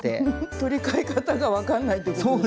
取り替え方が分かんないってことですね。